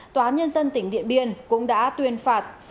tòa nhân dân tỉnh điện biên cũng đã tuyên phạt